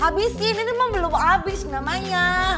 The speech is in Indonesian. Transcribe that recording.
habisin ini mah belum habis namanya